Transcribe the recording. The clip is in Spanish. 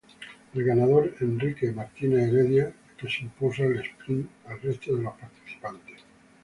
El ganador Enrique Martínez Heredia, que se impuso al sprint al resto de participantes.